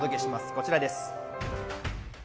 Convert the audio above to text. こちらです。